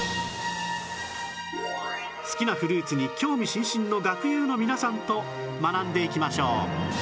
好きなフルーツに興味津々の学友の皆さんと学んでいきましょう